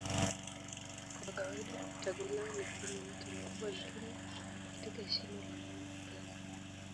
Kwa kawaida tago lao ni kwenye mti mkubwa lakini katika shimo la mwamba pia.